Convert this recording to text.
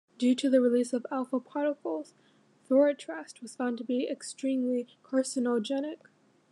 Due to the release of alpha particles, Thorotrast was found to be extremely carcinogenic.